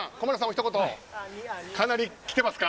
一言かなりきてますか。